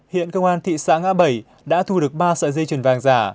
hiện công an thị xã ngã bảy đã thu được ba sợi dây chuyền vàng giả